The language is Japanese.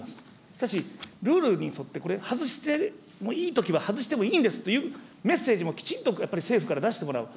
しかし、ルールに沿って、これ、外してもいいときは外してもいいんですというメッセージもきちっと、やっぱり政府から出してもらう。